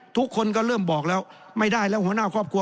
ทุกคนก็เริ่มบอกแล้วไม่ได้แล้วหัวหน้าครอบครัว